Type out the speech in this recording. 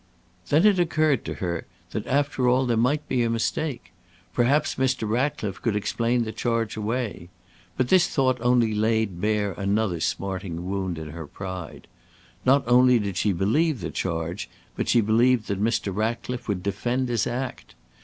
Then it occurred to her that after all there might be a mistake; perhaps Mr. Ratcliffe could explain the charge away. But this thought only laid bare another smarting wound in her pride. Not only did she believe the charge, but she believed that Mr. Ratcliffe would defend his act.